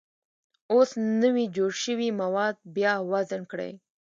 اوس نوي جوړ شوي مواد بیا وزن کړئ.